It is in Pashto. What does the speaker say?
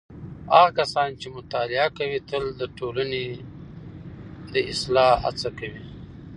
هغه کسان چې مطالعه کوي تل د ټولنې د اصلاح هڅه کوي.